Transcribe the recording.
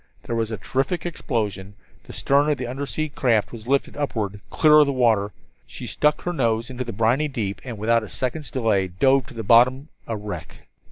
There was a terrific explosion, the stern of the undersea craft was lifted upward, clear of the water, she stuck her nose into the briny deep, and without another second's delay, dove to the bottom, a wreck.